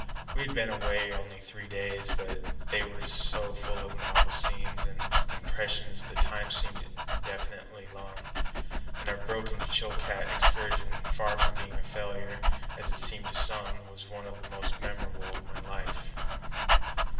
We had been away only three days, but they were so full of novel scenes and impressions the time seemed indefinitely long, and our broken Chilcat excursion, far from being a failure as it seemed to some, was one of the most memorable of my life.